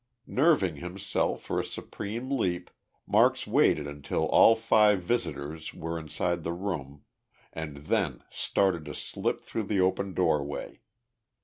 Nerving himself for a supreme leap, Marks waited until all five visitors were inside the room, and then started to slip through the open doorway.